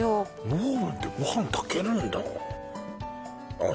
オーブンでご飯炊けるんだあっ